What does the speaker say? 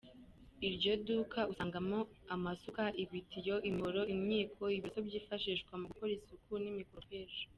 Iryo duka usangamo amasuka, ibitiyo, imihoro, imyiko, ibiroso byifashishwa mu gukora isuku n’imikoropesho.